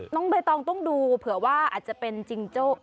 น้องใบตองต้องดูเผื่อว่าอาจจะเป็นจิงโจ้